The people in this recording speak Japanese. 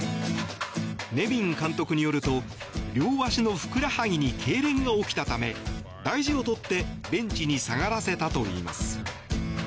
ネビン監督によると両足のふくらはぎにけいれんが起きたため大事をとってベンチに下がらせたといいます。